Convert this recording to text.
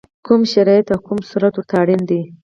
کوم شرایط او کوم صورت ورته اړین دی؟